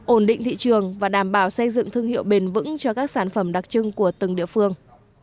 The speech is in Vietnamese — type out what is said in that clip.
ổn định thị trường và đảm bảo xây dựng thương hiệu bền vững cho các sản phẩm đặc trưng của từng địa phương